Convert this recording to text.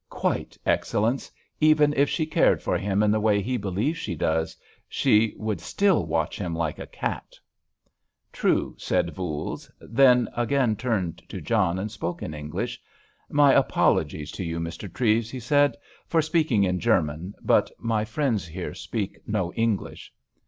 "Quite, Excellence; even if she cared for him in the way he believes she does, she would still watch him like a cat." "True," said Voules; then again turned to John and spoke in English. "My apologies to you, Mr. Treves," he said, "for speaking in German, but my friends here speak no English."